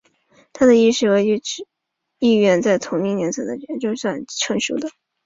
他的意识和意愿在同年龄层的球员中算是成熟的。